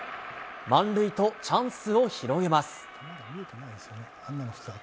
満塁とチャンスを広げます。